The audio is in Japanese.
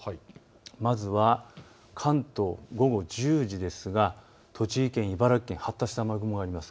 まずは関東、午後１０時ですが栃木県、茨城県、発達した雨雲があります。